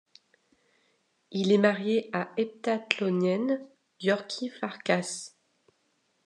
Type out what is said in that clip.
Il est marié à heptathlonienne Györgyi Farkas.